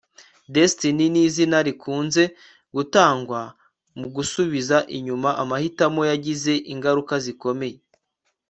destiny ni izina rikunze gutangwa mu gusubiza inyuma amahitamo yagize ingaruka zikomeye